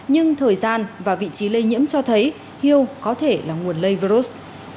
nhưng thời gian và vị trí lây nhiễm cho thấy hiêu có thể là nguồn lây virus